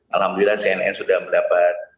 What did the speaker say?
alhamdulillah cnn sudah mendapat